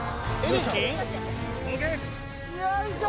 よいしょ！